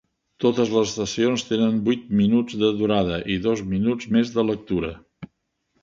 Totes les estacions tenen vuit minuts de durada, i dos minuts més de lectura.